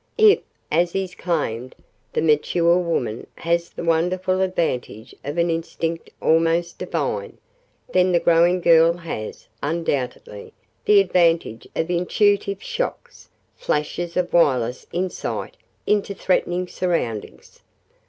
If, as is claimed, the mature woman has the wonderful advantage of an instinct almost divine, then the growing girl has, undoubtedly, the advantage of intuitive shocks flashes of wireless insight into threatening surroundings.